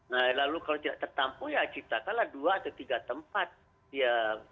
nah lalu kalau tidak tertampu ya ciptakanlah dua atau tiga tempat yang